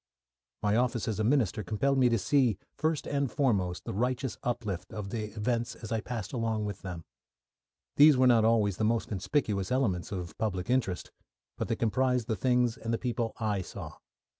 My office as a minister compelled me to see, first and foremost, the righteous uplift of the events as I passed along with them. These were not always the most conspicuous elements of public interest, but they comprised the things and the people I saw.